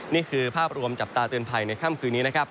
นี่คือภาพรวมจับตาเตือนภัยในค่ำคืนนี้นะครับ